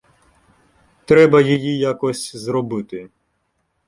Треба її якось "зробити".